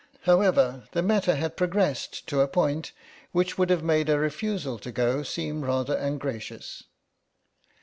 However, the matter had progressed to a point which would have made a refusal to go seem rather ungracious.